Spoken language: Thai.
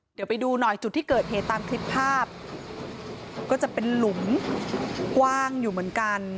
เดี๋ยวไปดูหน่อยจุดที่เกิดเหตุตามคลิปภาพก็จะเป็นหลุมกว้างอยู่เหมือนกัน